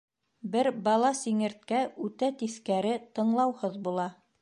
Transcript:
Бер бала сиңерткә үтә тиҫкәре, тыңлауһыҙ була.